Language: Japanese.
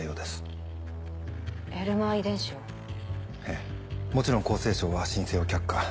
ええもちろん厚生省は申請を却下。